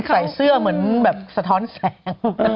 ใส่เสื้อเหมือนแบบสะท้อนแสง